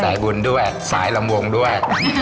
บุญด้วยสายลำวงด้วย